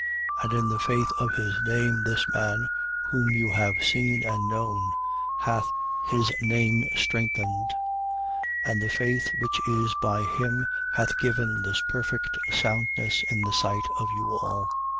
And in the faith of his name, this man, whom you have seen and known, hath his name strengthened. And the faith which is by him hath given this perfect soundness in the sight of you all. 3:17.